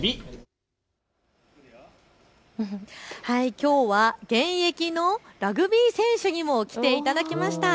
きょうは現役のラグビー選手にも来ていただきました。